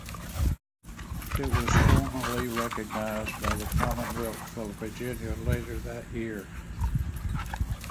It was formally recognized by the Commonwealth of Virginia later that year.